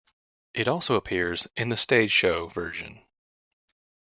It also appears in the stage show version.